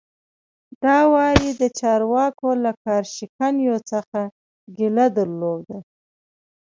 دا وار یې د چارواکو له کار شکنیو څخه ګیله درلوده.